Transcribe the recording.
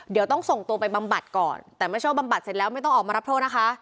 เดี๋ยวต้องส่งตัวไปบำบัดก่อนแต่เมื่อช่วงบำบัดเสร็จแล้วไม่ต้องออกมารับโทษนะคะ